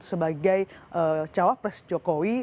sebagai cawapres jokowi